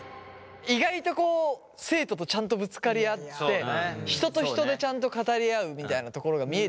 意外とこう生徒とちゃんとぶつかり合って人と人でちゃんと語り合うみたいなところが見えてきましたから。